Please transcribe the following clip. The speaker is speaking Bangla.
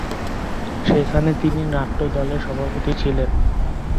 সেখানে তিনি নাট্য দলের সভাপতি ছিলেন।